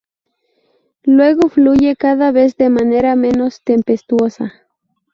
Luego fluye cada vez de manera menos tempestuosa.